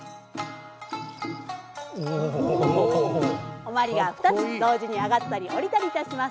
お鞠が２つ同時に上がったり下りたりいたします。